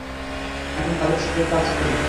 আমি তাদের সাথে কাছ করি।